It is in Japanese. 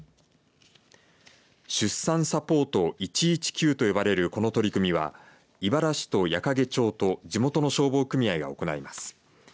出産サポート１１９と呼ばれるこの取り組みは井原市と矢掛町と地元の消防組合が行います。